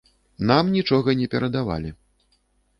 Нам нічога не перадавалі.